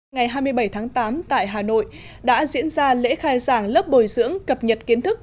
ngày hai mươi bảy tháng tám tại hà nội đã diễn ra lễ khai giảng lớp bồi dưỡng cập nhật kiến thức